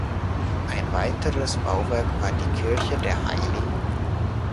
Ein weiteres Bauwerk war die Kirche der Hl.